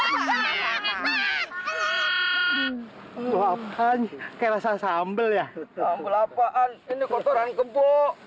lho apaan kerasa sambel ya apaan ini kotoran kebo